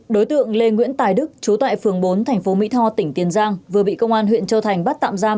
đối tượng lê nguyễn tài đức trú tại phường bốn tp bến tre tỉnh tiền giang vừa bị công an huyện châu thành bắt tạm giam